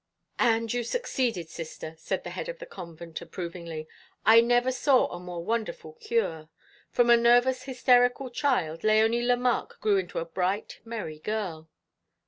"And you succeeded, Sister," said the head of the convent approvingly. "I never saw a more wonderful cure. From a nervous hysterical child Léonie Lemarque grew into a bright merry girl."